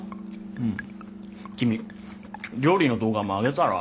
うん君料理の動画もあげたら？